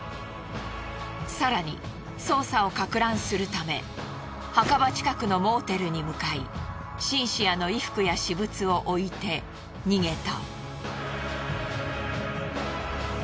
更に捜査をかく乱するため墓場近くのモーテルに向かいシンシアの衣服や私物を置いて逃げた。